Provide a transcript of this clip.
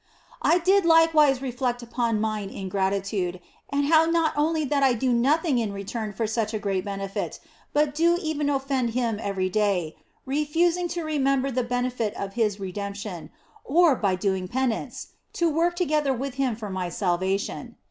I did likewise reflect upon mine ingratitude, and how that not only do I nothing in return for such a great benefit, but do even offend Him every day, re fusing to remember the benefit of His redemption or, by doing penance, to work together with Him for my salva tion.